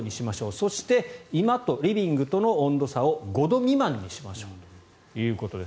そして、居間とリビングとの温度差を５度未満にしましょうということです。